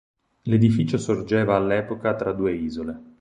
L'edificio sorgeva all'epoca tra due isole.